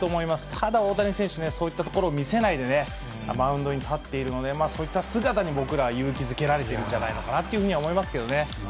ただ、大谷選手、そういったところを見せないでね、マウンドに立っているので、そういった姿に僕ら、勇気づけられているんじゃないかとー思いますけどね。